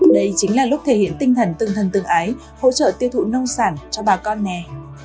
đây chính là lúc thể hiện tinh thần tương thân tương ái hỗ trợ tiêu thụ nông sản cho bà con nghe